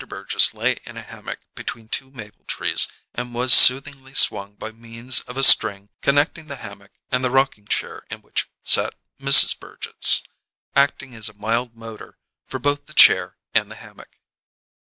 Burgess lay in a hammock between two maple trees, and was soothingly swung by means of a string connecting the hammock and the rocking chair in which sat Mrs Burgess, acting as a mild motor for both the chair and the hammock.